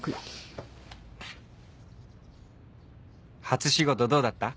「初仕事どうだった？」